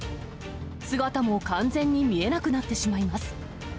姿も完全に見えなくなってしまいます。